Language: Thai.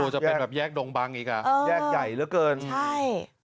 จะเป็นแบบแยกดงบังอีกอ่ะแยกใหญ่เหลือเกินใช่